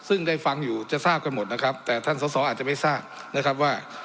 ซึ่งได้ฟังอยู่จะทราบกันหมดนะครับแต่ท่านสอสออาจจะไม่ทราบนะครับว่า